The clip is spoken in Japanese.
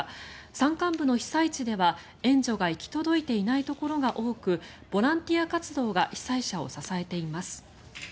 山間部の被災地では、援助が行き届いていないところが多くボランティア活動が被災者を支えています。